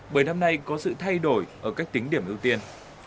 bởi năm nay có sự thay đổi ở cách tính điểm ưu tiên